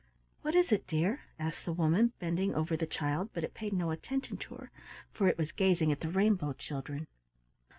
"What is it, dear?" asked the woman, bending over the child, but it paid no attention to her, for it was gazing at the rainbow children.